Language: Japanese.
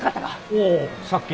おおさっき。